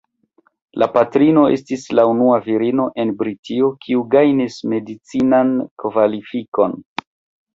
La patrino estis la unua virino en Britio kiu gajnis medicinan kvalifikon.